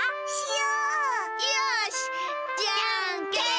よしじゃんけん。